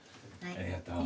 ありがとう